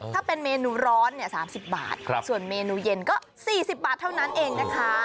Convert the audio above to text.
ถ้าเป็นเมนูร้อน๓๐บาทส่วนเมนูเย็นก็๔๐บาทเท่านั้นเองนะคะ